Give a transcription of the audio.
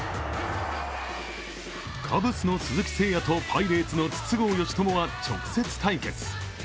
カブスの鈴木誠也とパイレーツの筒香嘉智は直接対決。